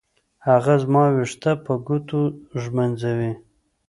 هغه زما ويښته په ګوتو ږمنځوي.